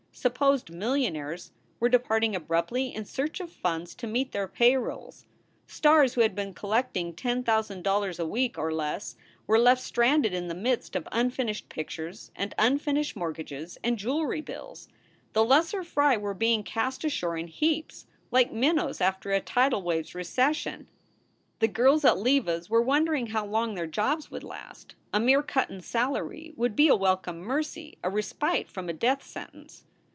Supposed millionaires were departing abruptly in search of funds to meet their payrolls. Stars who had been collecting ten thousand dol lars a week or less were left stranded in the midst of unfin ished pictures and unfinished mortgages and jewelry bills. The lesser fry were being cast ashore in heaps, like minnows after a tidal wave s recession. The girls at Leva s were wondering how long their jobs would last. A mere cut in salary would be a welcome mercy, a respite from a death sentence.